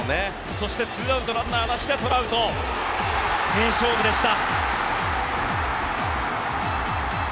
そして２アウト、ランナーなしでトラウト名勝負でした。